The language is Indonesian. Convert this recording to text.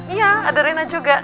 iya ada rena juga